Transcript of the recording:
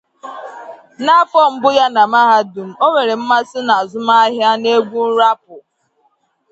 N’afọ mbụ ya na mahadum, o nwere mmasị na azụmahịa na egwu rapụ.